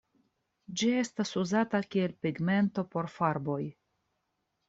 Ĝi estas uzata kiel pigmento por farboj.